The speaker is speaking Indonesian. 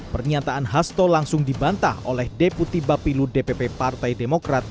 pernyataan hasto langsung dibantah oleh deputi bapilu dpp partai demokrat